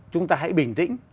chúng ta hãy bình tĩnh